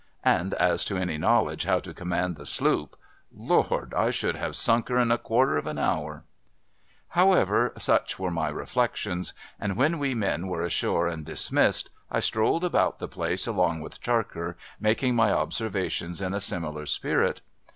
And as to any knowledge how to command the sloop — Lord ! I should have sunk her in a quarter of an hour !) However, such were my reflections ; and when we men were ashore and dismissed, I strolled about the place along with Charker, making my observations in a similar spirit.